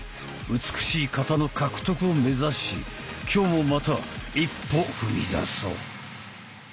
美しい形の獲得を目指し今日もまた一歩踏み出そう！